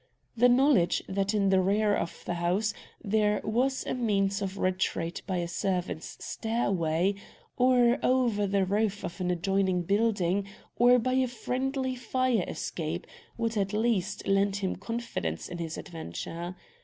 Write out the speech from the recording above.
The knowledge that in the rear of the house there was a means of retreat by a servants' stairway, or over the roof of an adjoining building, or by a friendly fire escape, would at least, lend him confidence in his adventure.